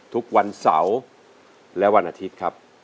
ทุกวันเสาร์และวันอาทิตย์ครับ